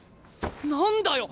何だよ！